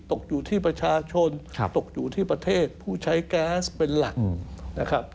ตกอยู่ที่ประชาชนตกอยู่ที่ประเทศผู้ใช้แก๊สเป็นหลักนะครับ